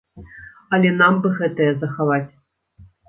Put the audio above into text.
Але нам бы гэтыя захаваць.